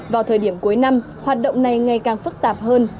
vào thời điểm cuối năm hoạt động này ngày càng phức tạp hơn